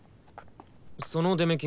その出目金。